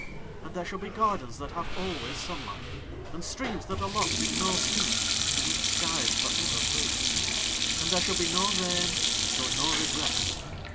And there shall be gardens that have always sunlight, and streams that are lost in no sea beneath skies for ever blue. And there shall be no rain nor no regrets.